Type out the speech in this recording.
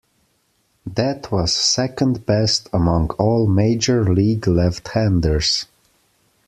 That was second-best among all major league left-handers.